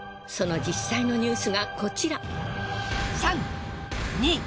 その実際のニュースがこちら。